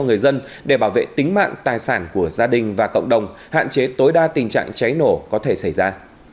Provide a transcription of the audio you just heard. người dân để bảo vệ tính mạng tài sản của gia đình và cộng đồng hạn chế tối đa tình trạng cháy nổ có thể xảy ra